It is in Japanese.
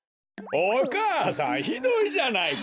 お母さんひどいじゃないか！